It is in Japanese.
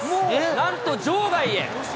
なんと場外へ。